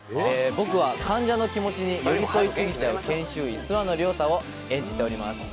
僕は患者の気持ちに寄り添い過ぎちゃう研修医、諏訪野良太を演じております。